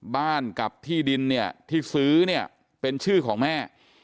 กับที่ดินเนี่ยที่ซื้อเนี่ยเป็นชื่อของแม่